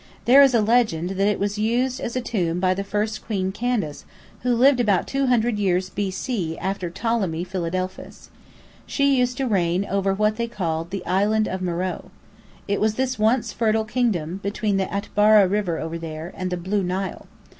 "There is a legend that it was used as a tomb by the first Queen Candace, who lived about two hundred years B.C. after Ptolemy Philadelphus. She used to reign over what they called the "Island of Meröe." It was this once fertile kingdom, between the Atbara River over there, and the Blue Nile.